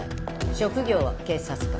職業は警察官。